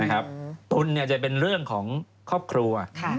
ตุ้นเนี่ยจะเป็นเรื่องของครอบครัว